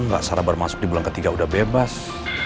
mbak sarah baru masuk di bulan ketiga udah bebas